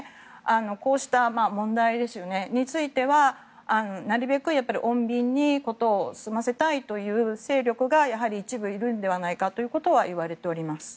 こうした問題についてはなるべく穏便に事を済ませたいという勢力が一部、いるのではないかと言われております。